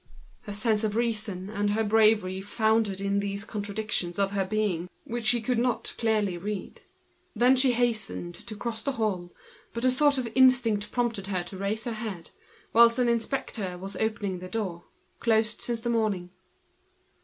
Her sense of reason and her bravery foundered before these contradictions of her being, in which she could not read clearly. She hastened to cross the hall. Then a sort of instinct prompted her to raise her head, whilst an inspector opened the door, closed since the morning.